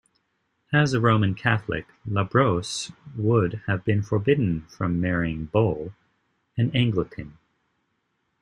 As a Roman Catholic, LaBrosse would have been forbidden from marrying Bull, an Anglican.